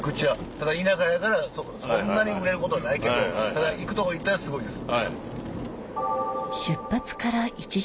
ただ田舎やからそんなに売れることないけどただ行くとこ行ったらすごいです。